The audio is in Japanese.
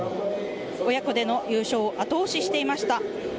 親子での優勝を後押ししていました。